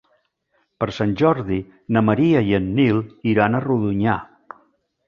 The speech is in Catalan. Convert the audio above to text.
Per Sant Jordi na Maria i en Nil iran a Rodonyà.